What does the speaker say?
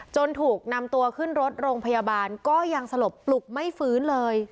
ถูกนำตัวขึ้นรถโรงพยาบาลก็ยังสลบปลุกไม่ฟื้นเลย